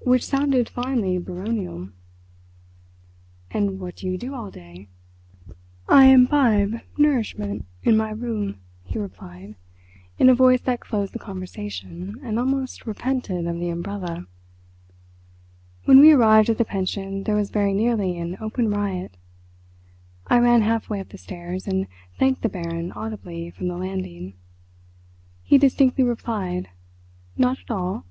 Which sounded finely Baronial. "And what do you do all day?" "I imbibe nourishment in my room," he replied, in a voice that closed the conversation and almost repented of the umbrella. When we arrived at the pension there was very nearly an open riot. I ran half way up the stairs, and thanked the Baron audibly from the landing. He distinctly replied: "Not at all!"